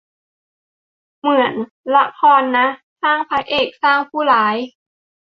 เหมือนละครน่ะ สร้างพระเอก สร้างผู้ร้าย